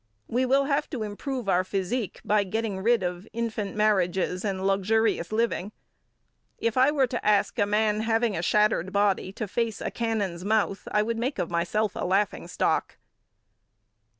We will have to improve our physique by getting rid of infant marriages and luxurious living. If I were to ask a man having a shattered body to face a cannon's mouth I would make of myself a laughing stock.